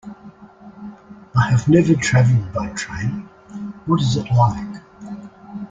I have never traveled by train, what is it like?